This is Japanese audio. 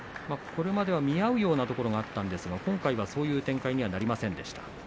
これまでは見合うようなところがあったんですが今回はそんな展開にはなりませんでした。